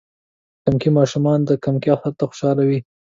کمکي ماشومان د کمکی اختر ته خوشحاله وی.